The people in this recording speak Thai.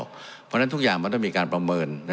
เพราะฉะนั้นทุกอย่างมันต้องมีการประเมิน